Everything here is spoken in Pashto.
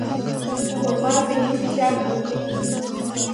خرما د ذهني فشار کموي.